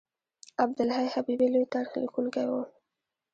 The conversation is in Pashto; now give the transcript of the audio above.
عبدالحی حبیبي لوی تاریخ لیکونکی و.